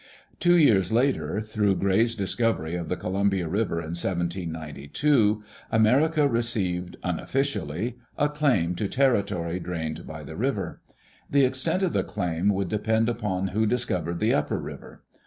Two years later, through Gray's discovery of the Columbia River in 1792, America received, unofficially, a claim to territory drained by the river. The extent of the claim would depend upon who dis covered the upper river.